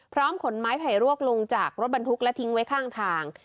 ขนไม้ไผ่รวกลงจากรถบรรทุกและทิ้งไว้ข้างทาง